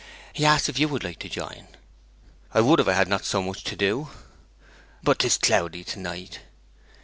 He asks if you would like to join.' 'I would if I had not so much to do.' 'But it is cloudy to night.'